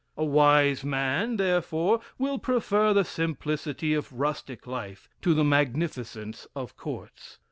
A wise man, therefore, will prefer the simplicity of rustic life to the magnificence of courts.